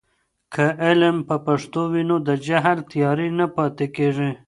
که علم په پښتو وي، نو د جهل تیارې نه پاتې کیږي.